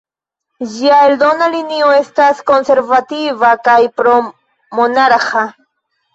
Ĝia eldona linio estas konservativa kaj pro-monarĥa.